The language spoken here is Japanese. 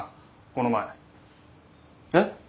この前。え？